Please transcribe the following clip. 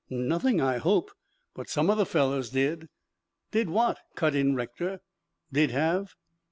"Nothing, I hope. But some of the fellows did." "Did what?" cut in Rector. "Did have."